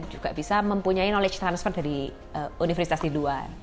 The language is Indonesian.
juga bisa mempunyai knowledge transfer dari universitas di luar